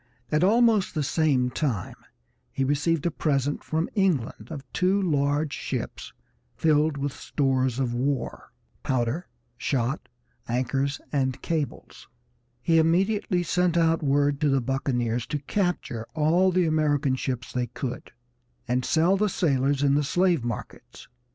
At almost the same time he received a present from England of two large ships filled with stores of war, powder, shot, anchors, and cables. He immediately sent out word to the buccaneers to capture all the American ships they could, and sell the sailors in the slave markets.